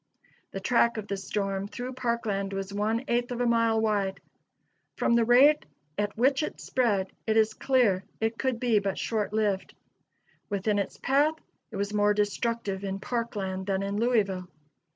The track of the storm through Parkland was one eighth of a mile wide. From the rate at which it spread, it is clear it could be but short lived. Within its path, it was more destructive in Parkland than in Louisville.